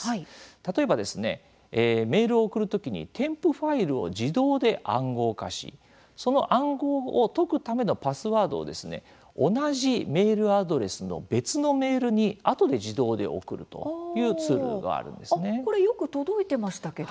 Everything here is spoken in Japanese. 例えばですね、メールを送る時に添付ファイルを自動で暗号化しその暗号を解くためのパスワードを同じメールアドレスの別のメールにあとで自動で送るこれよく届いてましたけど。